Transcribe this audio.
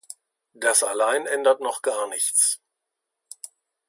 Das allein ändert noch gar nichts.